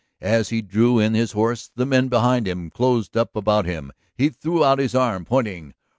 As he drew in his horse the men behind him closed up about him. He threw out his arm, pointing.